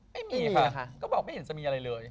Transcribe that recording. แล้วก็ลากมันออกมาเลย